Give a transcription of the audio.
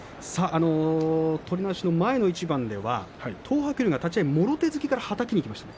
取り直しの前の一番では東白龍が立ち合いもろ手突きからはたきにいきました。